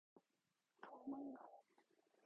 도망가!